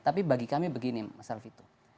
tapi bagi kami begini mas alvito